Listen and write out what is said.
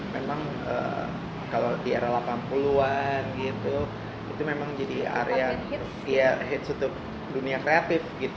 memang kalau di era delapan puluh an gitu itu memang jadi area hits untuk dunia kreatif